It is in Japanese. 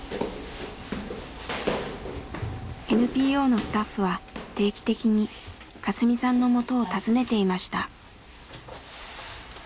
ＮＰＯのスタッフは定期的にカスミさんのもとを訪ねていました。